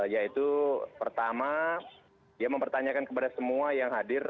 yaitu pertama dia mempertanyakan kepada semua yang hadir